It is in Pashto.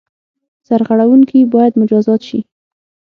سرغړوونکي باید مجازات شي.